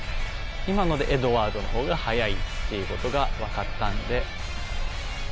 今のでエドワードのほうがはやいっていうことがわかったんで。